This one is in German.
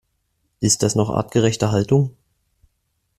Ist das noch artgerechte Haltung?